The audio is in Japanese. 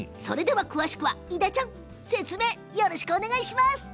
詳しくは伊田ちゃん説明お願いします。